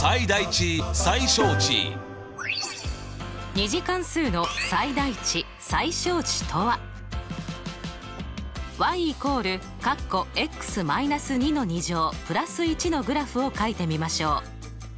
２次関数の最大値・最小値とは？のグラフをかいてみましょう。